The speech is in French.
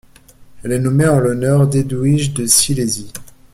Elle est nommée en l'honneur d'Edwige de Silésie.